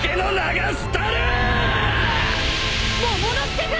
モモの助君！